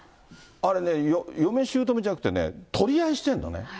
あれね、嫁しゅうとめじゃなくて、取り合いしてるのね。